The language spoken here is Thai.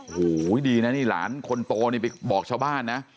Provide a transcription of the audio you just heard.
โอ้โหดีนะนี่หลานคนโตนี่ไปบอกชาวบ้านนะ